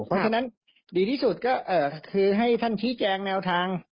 เพราะฉะนั้นดีที่สุดก็คือให้ท่านชี้แจงแนวทาง